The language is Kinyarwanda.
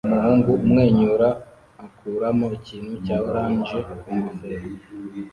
Umuhungu umwenyura akuramo ikintu cya orange ku ngofero